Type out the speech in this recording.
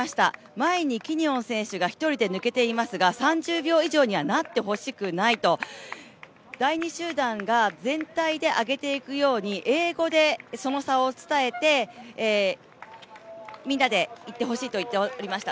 前にキニオン選手が１人抜けていますが３０秒以上にはなってほしくないと第２集団が全体で上げていくように英語でその差を伝えてみんなで行ってほしいと言っておりました。